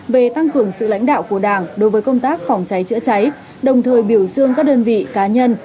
và lãnh đạo của đảng đối với công tác phòng cháy chữa cháy đồng thời biểu dương các đơn vị cá nhân